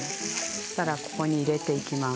そしたらここに入れていきます。